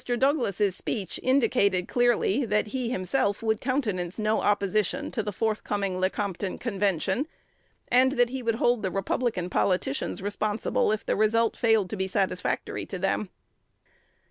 Douglas's speech indicated clearly that he himself would countenance no opposition to the forthcoming Lecompton Convention, and that he would hold the Republican politicians responsible if the result failed to be satisfactory to them.